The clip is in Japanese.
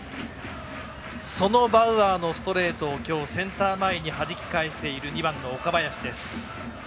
そのバウアーのストレートを、今日センター前にはじき返している２番の岡林です。